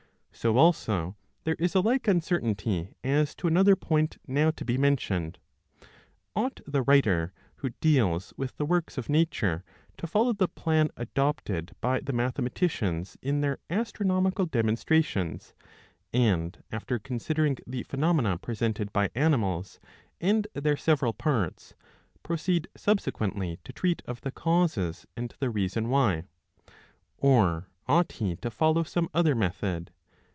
So also there is a like uncertainty as to another point now to be mentioned. Ought the writer who deals with the works of nature to follow the plan adopted by the mathematicians in their astronomical demonstrations, and after considering the phenomena presented by animals, and their several parts, proceed subsequently to treat of the causes and the reason why ; or ought he to follow some other method